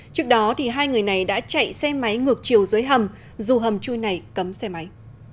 trước đó hai người này đã chạy xe máy ngược chiều dưới hầm dù hầm chui này cấm xe máy